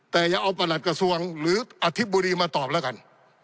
แต่อย่าเอาประหลัดกระทรวงหรืออธิบดีมาตอบแล้วกัน